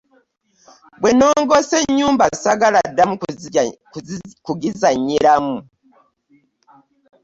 Bwe nnongoosa ennyumba ssaagala addamu kugizannyiramu.